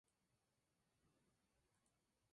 Los pájaros dispersan las semillas.